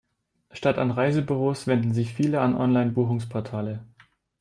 Statt an Reisebüros wenden sich viele an Online-Buchungsportale.